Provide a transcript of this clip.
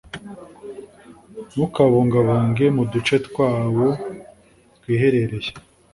ntukabungabunge mu duce twawo twiherereye